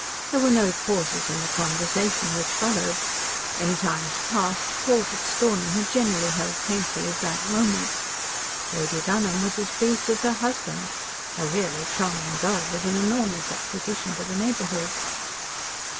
There were no pauses in the conversation which followed. In times past, calls at Stornham had generally held painfully blank moments. Lady Dunholm was as pleased as her husband. A really charming girl was an enormous acquisition to the neighbourhood.